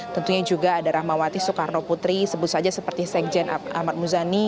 tentunya juga ada rahmawati soekarno putri sebut saja seperti sekjen ahmad muzani